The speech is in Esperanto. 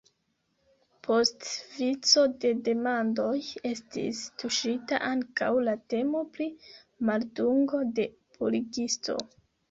Post vico de demandoj estis tuŝita ankaŭ la temo pri maldungo de purigisto.